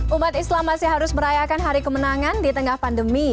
umat islam masih harus merayakan hari kemenangan di tengah pandemi